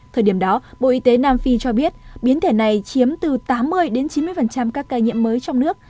thời điểm đó bộ y tế nam phi cho biết biến thể này chiếm từ tám mươi chín mươi các ca nhiễm mới trong nước